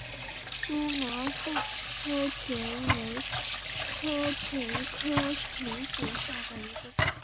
蛛毛车前为车前科车前属下的一个种。